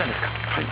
はい。